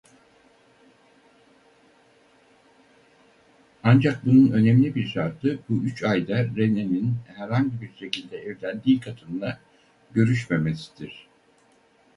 Ancak bunun önemli bir şartı bu üç ayda Rene'nin herhangi bir şekilde evlendiği kadınla görüşmemesidir.